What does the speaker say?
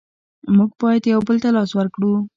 موږ باید یو بل ته لاس ورکړو.